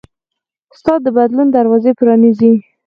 استاد د بدلون دروازه پرانیزي.